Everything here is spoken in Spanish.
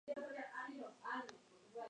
Fue la única poetisa judía de al-Andalus.